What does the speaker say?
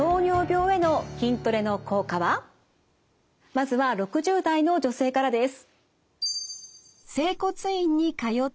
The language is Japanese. まずは６０代の女性からです。